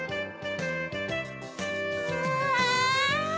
うわ！